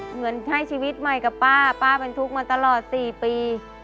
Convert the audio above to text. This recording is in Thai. เหมือนให้ชีวิตใหม่กับป้าป้าเป็นทุกข์มาตลอด๔ปี